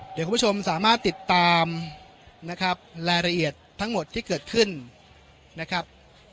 เดี๋ยวคุณผู้ชมสามารถติดตามนะครับรายละเอียดทั้งหมดที่เกิดขึ้นนะครับ